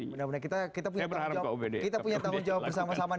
benar benar kita punya tanggung jawab bersama sama